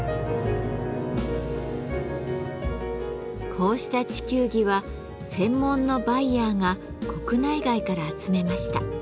こうした地球儀は専門のバイヤーが国内外から集めました。